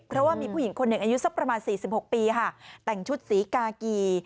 เพราะว่ามีผู้หญิงคนหนึ่งอายุสักประมาณ๔๖ปีค่ะแต่งชุดสีกากี